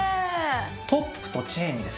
トップとチェーンにですね